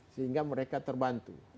sehingga mereka terbantu